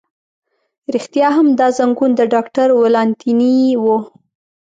رښتیا هم، دا زنګون د ډاکټر ولانتیني و.